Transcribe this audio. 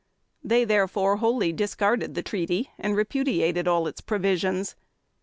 They therefore wholly discarded the treaty, and repudiated all its provisions.